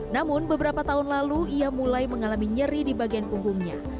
namun beberapa tahun lalu ia mulai mengalami nyeri di bagian punggungnya